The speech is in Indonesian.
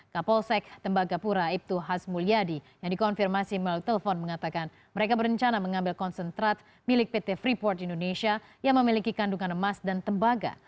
kapolsek tembagapura ibtu hasmulyadi yang dikonfirmasi melalui telepon mengatakan mereka berencana mengambil konsentrat milik pt freeport indonesia yang memiliki kandungan emas dan tembaga